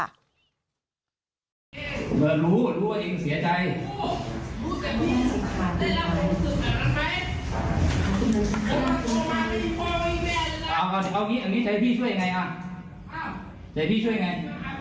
อันนี้ใช้พี่ช่วยยังไงอ่ะใช้พี่ช่วยยังไง